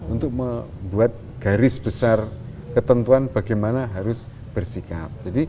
untuk membuat garis besar ketentuan bagaimana harus bersikap